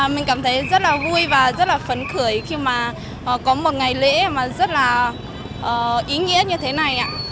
mình cảm thấy rất là vui và rất là phấn khởi khi mà có một ngày lễ mà rất là ý nghĩa như thế này ạ